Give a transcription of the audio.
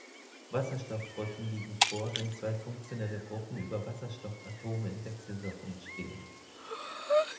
Wasserstoffbrücken liegen vor, wenn zwei funktionelle Gruppen über Wasserstoffatome in Wechselwirkung stehen.